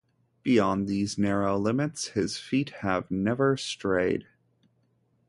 Beyond these narrow limits his feet have never strayed.